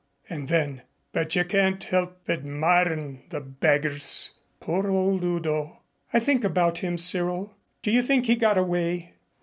And then, "But you can't help admirin' the beggars! Poor old Udo!" "I think about him, Cyril. Do you think he got away?"